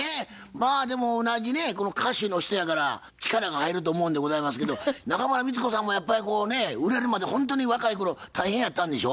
まあでも同じね歌手の人やから力が入ると思うんでございますけど中村美律子さんもやっぱりこうね売れるまでほんとに若い頃大変やったんでしょ？